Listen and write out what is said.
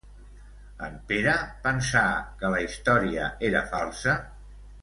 En Pere pensà que la història era falsa?